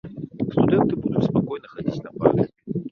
Студэнты будуць спакойна хадзіць на пары.